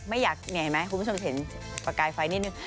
เห็นไหมคุณผู้ชมเห็นประกายไฟนิดนึง